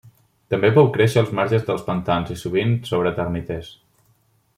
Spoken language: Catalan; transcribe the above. També pot créixer als marges dels pantans i sovint sobre termiters.